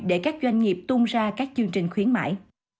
để các doanh nghiệp tung ra các chương trình khuyến mãi